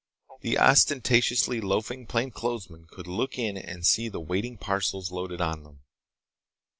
The ostentatiously loafing plainclothesmen could look in and see the waiting parcels loaded on them.